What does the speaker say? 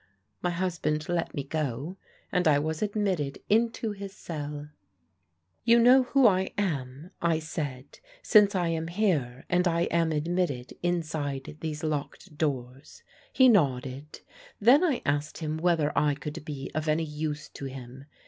My husband let me go, and I was admitted into his cell. "'You know who I am,' I said, 'since I am here, and I am admitted inside these locked doors?' He nodded. Then I asked him whether I could be of any use to him.